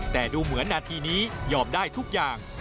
แต่ดูเหมือนนาทีนี้ยอมได้ทุกอย่าง